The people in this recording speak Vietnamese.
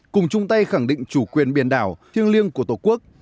cùng chung tay khẳng định chủ quyền biển đảo thiêng liêng của tổ quốc